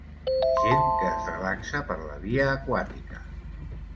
Gent que es relaxa per la via aquàtica